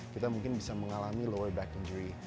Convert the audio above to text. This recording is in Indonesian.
kita mungkin bisa mengalami lower back injury